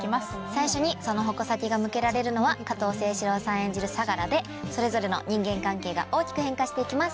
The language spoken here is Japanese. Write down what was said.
最初にその矛先が向けられるのは加藤清史郎さん演じる相楽でそれぞれの人間関係が大きく変化していきます。